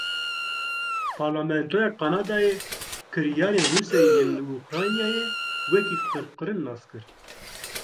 Parlamentoya Kanadayê kiryarên Rûsyayê yên li Ukraynayê wekî qirkirin nas kir.